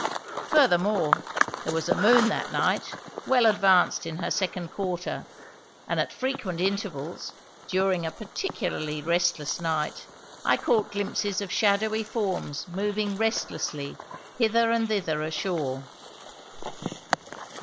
Furthermore, there was a moon, that night, well advanced in her second quarter, and at frequent intervals during a particularly restless night I caught glimpses of shadowy forms moving restlessly hither and thither ashore.